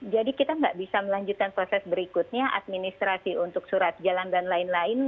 jadi kita nggak bisa melanjutkan proses berikutnya administrasi untuk surat jalan dan lain lain